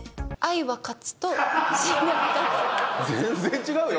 全然違うよ